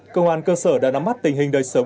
công an cơ sở đã nắm mắt tình hình đời sống